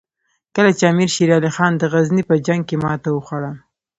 کله چې امیر شېر علي خان د غزني په جنګ کې ماته وخوړه.